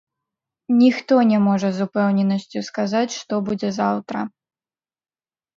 Ніхто не можа з упэўненасцю сказаць, што будзе заўтра.